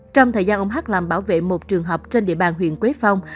trong thời gian ông h làm bảo vệ một trường hợp trên địa bàn huyện quế phong